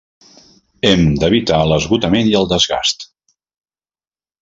Hem d'evitar l'esgotament i el desgast.